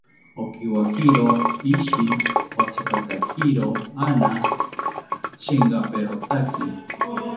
Okiwakiro ishi otzipatakiro ana, chengaperotaki